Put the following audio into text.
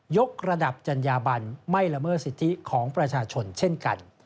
กระดับจัญญาบันไม่ละเมิดสิทธิของประชาชนเช่นกัน